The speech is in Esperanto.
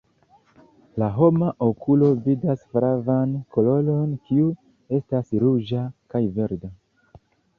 La homa okulo vidas flavan koloron, kiu estas ruĝa kaj verda.